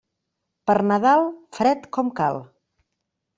Per Nadal, fred com cal.